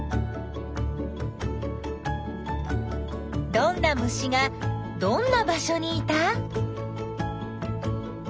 どんな虫がどんな場所にいた？